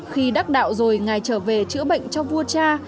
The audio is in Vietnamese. khi đắc đạo rồi ngài trở về chữa bệnh cho vua cha